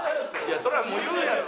それはもう言うやろ。